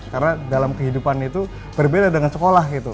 karena dalam kehidupan itu berbeda dengan sekolah gitu